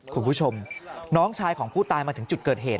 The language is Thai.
คุณผู้ชมน้องชายของผู้ตายมาถึงจุดเกิดเหตุ